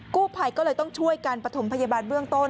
กู้ภัยก็เลยต้องช่วยการปฐมพยาบาลเบื้องต้น